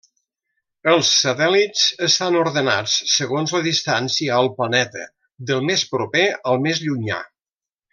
Els satèl·lits estan ordenats segons la distància al planeta, del més proper al més llunyà.